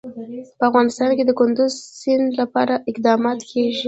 په افغانستان کې د کندز سیند لپاره اقدامات کېږي.